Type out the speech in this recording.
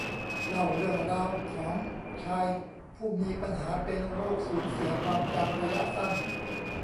เล่าเรื่องราวของชายผู้มีปัญหาเป็นโรคสูญเสียความจำระยะสั้น